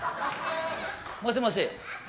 もしもし？